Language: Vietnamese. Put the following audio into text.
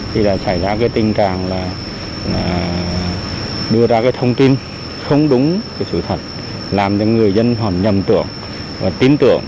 thì xảy ra tình trạng đưa ra thông tin không đúng sự thật làm cho người dân nhầm tưởng và tin tưởng